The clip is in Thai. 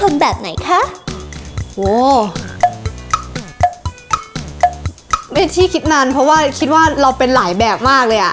ไม่ใช่คิดนานเพราะว่าคิดว่าเราเป็นหลายแบบมากเลยอ่ะ